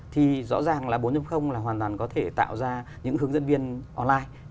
thì rõ ràng là bốn là hoàn toàn có thể tạo ra những hướng dẫn viên online